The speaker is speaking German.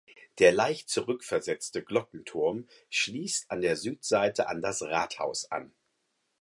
Der leicht zurückversetzte Glockenturm schließt an der Südseite an das Rathaus an.